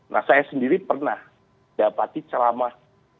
nah saya sendiri pernah dapati ceramah